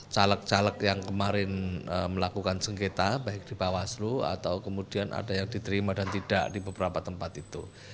caleg caleg yang kemarin melakukan sengketa baik di bawaslu atau kemudian ada yang diterima dan tidak di beberapa tempat itu